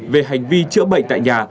về hành vi chữa bệnh tại nhà